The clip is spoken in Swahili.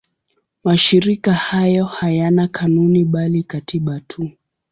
Mashirika hayo hayana kanuni bali katiba tu.